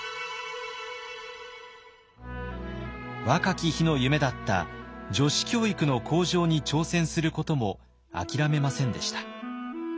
若き日の夢だった女子教育の向上に挑戦することも諦めませんでした。